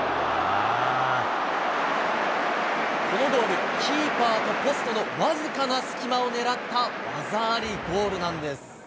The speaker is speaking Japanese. このゴール、キーパーとポストの僅かな隙間を狙った技ありゴールなんです。